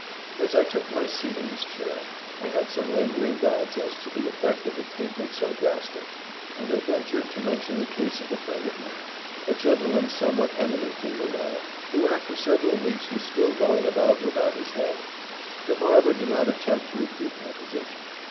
As I took my seat in his chair I had some lingering doubts as to the effect of a treatment so drastic, and I ventured to mention the case of a friend of mine, a gentleman somewhat eminent in the law, who after several weeks was still going about without his head. The barber did not attempt to refute my position.